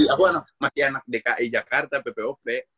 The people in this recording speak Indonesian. aku masih anak dki jakarta ppop